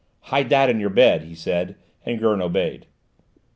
"Hide that in your bed," he said, and Gurn obeyed.